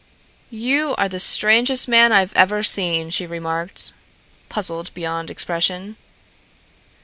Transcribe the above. "You are the strangest man I've ever seen," she remarked, puzzled beyond expression.